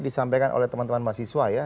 disampaikan oleh teman teman mahasiswa ya